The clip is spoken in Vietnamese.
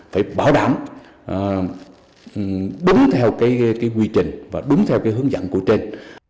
phải bảo đảm đúng theo quy trình và đúng theo hướng dẫn của trên